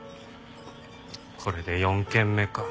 これで４軒目か。